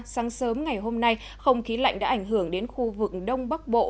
sáng sớm ngày hôm nay không khí lạnh đã ảnh hưởng đến khu vực đông bắc bộ